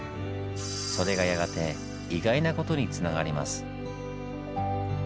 それがやがて意外なことにつながります。